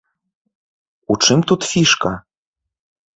У чым тут фішка?